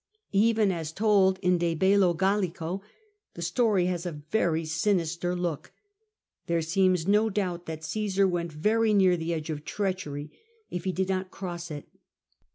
Even as told in the JDe Bello Gallico the story has a very sinister look; there seems no doubt that Caesar went very near the edge of treachery, if he did not cross it.